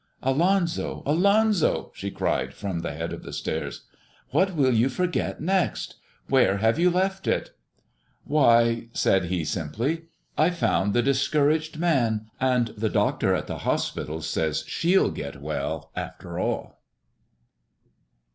"Alonzo, Alonzo," she cried, from the head of the stairs, "what will you forget next? Where have you left it?" "Why," said he simply, "I've found the Discouraged Man. And the doctor at the hospital says she'll get well, after all."